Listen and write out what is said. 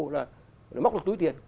mắc một túi tiền